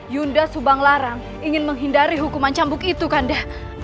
yunda subanglarang ingin menghindari hukuman cambuk itu kanda